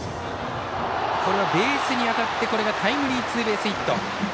これはベースに当たってタイムリーツーベースヒット。